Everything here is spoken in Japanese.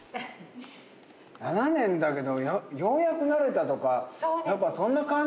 ７年だけどようやく慣れたとかやっぱそんな感じ。